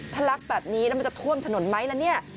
ถ้าลักแบบนี้แล้วมันจะท่วมถนนไหมล่ะเนี่ย